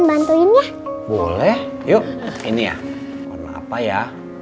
hai ovan bantuin ya boleh yuk ini ya apa ya